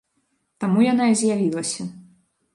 Таму яна і з'явілася.